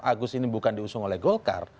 agus ini bukan diusung oleh golkar